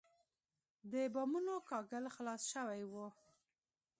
د بامونو کاهګل خلاص شوی و.